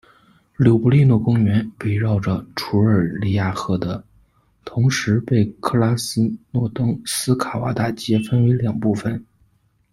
柳布利诺公园围绕着楚尔黎亚河的，同时被克拉斯诺登斯卡瓦大街分为两部分。